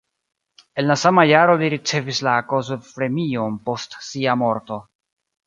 En la sama jaro li ricevis la Kossuth-premion post sia morto.